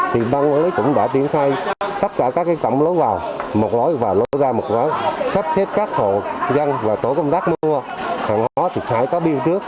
thì bang quản lý cũng đã tiến khai tất cả các trọng lối vào một lối vào lối ra một lối vào sắp xếp các hộ dân và tổ công tác mua hàng hóa thịt hải cá biêu trước